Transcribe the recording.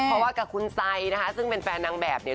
เพราะว่ากับคุณไซนะคะซึ่งเป็นแฟนนางแบบเนี่ย